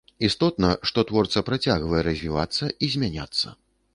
Істотна, што творца працягвае развівацца і змяняцца.